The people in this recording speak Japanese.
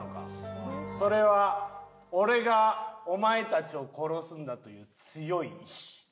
それは「俺がお前たちを殺すんだ」という強い意志。